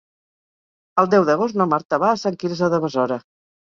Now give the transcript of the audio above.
El deu d'agost na Marta va a Sant Quirze de Besora.